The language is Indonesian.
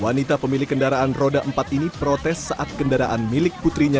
wanita pemilik kendaraan roda empat ini protes saat kendaraan milik putrinya